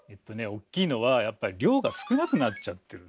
おっきいのはやっぱり量が少なくなっちゃってる。